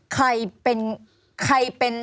ใครเป็น